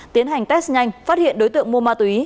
tiến hành test nhanh phát hiện đối tượng mua ma túy